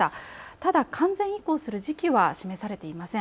ただ完全移行する時期は示されていません。